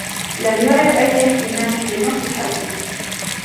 لم يعر أي اهتمام لنصيحتي.